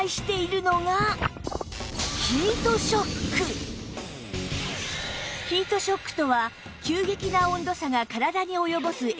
そうヒートショックとは急激な温度差が体に及ぼす影響の事